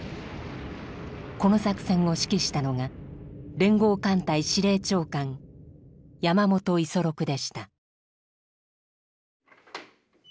この作戦を指揮したのが連合艦隊司令長官山本五十六でした。